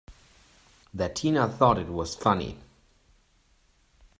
That Tina thought it was funny!